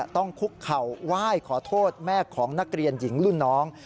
ต้องคุกเข่าไหว้ขอโทษแม่ของนักเรียนหญิงรุ่นน้อง